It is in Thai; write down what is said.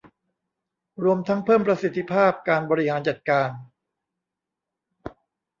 รวมทั้งเพิ่มประสิทธิภาพการบริหารจัดการ